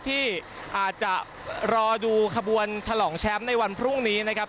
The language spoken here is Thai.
ที่อาจจะรอดูขบวนฉลองแชมป์ในวันพรุ่งนี้นะครับ